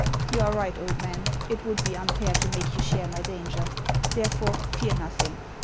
" You are right, old man ; it would be unfair to make you share my danger ; therefore fear nothing.